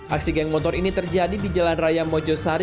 aksi geng motor ini terjadi di jalan raya mojosari